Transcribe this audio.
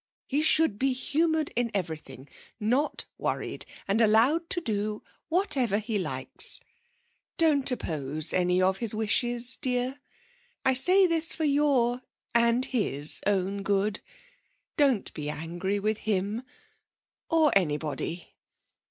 He should be humoured in everything, not worried, and allowed to do whatever he likes. Don't oppose any of his wishes, dear. I say this for your and his own good. Don't be angry with him or anybody.